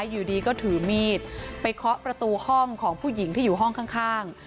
อยู่ดีก็ถือมีดไปเคาะประตูห้องของผู้หญิงที่อยู่ห้องข้าง